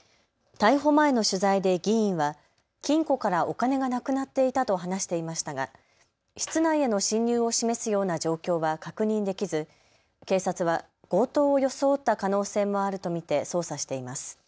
逮捕前の取材で議員は金庫からお金がなくなっていたと話していましたが室内への侵入を示すような状況は確認できず警察は強盗を装った可能性もあると見て捜査しています。